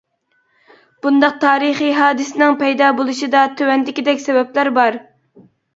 بۇنداق تارىخىي ھادىسىنىڭ پەيدا بولۇشىدا تۆۋەندىكىدەك سەۋەبلەر بار.